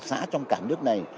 một mươi một xã trong cả nước này